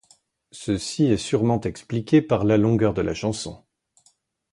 Ceci est sûrement expliqué par la longueur de la chanson.